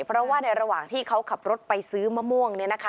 เพราะว่าในระหว่างที่เขาขับรถไปซื้อมะม่วง